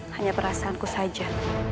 hanya perasaanku saja